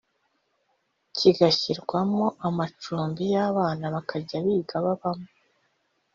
kigashyirwamo amacumbi y’abana bakajya biga babamo